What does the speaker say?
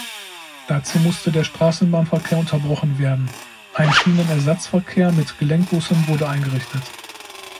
Dazu musste der Straßenbahnverkehr unterbrochen werden, ein Schienenersatzverkehr mit Gelenkbussen wurde eingerichtet.